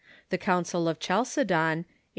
The Council of Chalcedon, a.